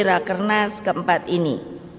rakernas keempat ini